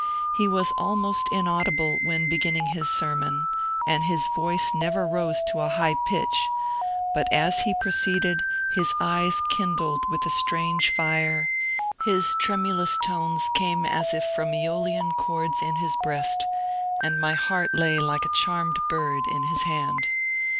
He was almost inaudible when beginning his sermon, and his voice never rose to a high pitch; but as he proceeded his eyes kindled with a strange fire, his tremulous tones came as if from seolian chords in his breast, and my heart lay like a charmed bird in his hand.